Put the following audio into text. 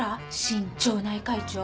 新町内会長。